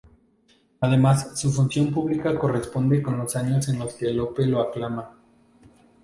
Además, su función pública corresponde con los años en que Lope lo aclama.